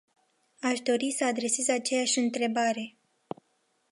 Aș dori să adresez aceeași întrebare.